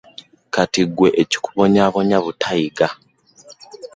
Kati ggwe ekikubonyaabonya butayiga.